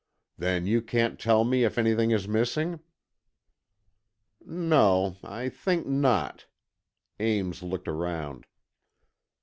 "Then you can't tell me if anything is missing?" "No, I think not," Ames looked around.